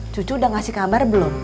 cucu udah ngasih kabar belum